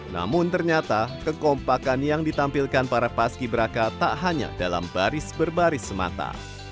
namun ternyata kekompakan yang ditampilkan para paski beraka tak hanya dalam baris berbaris semata